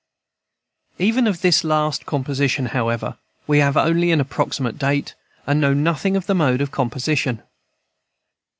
Even of this last composition, however, we have only the approximate date and know nothing of the mode of composition.